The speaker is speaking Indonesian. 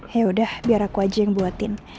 yaudah biar aku aja yang buatin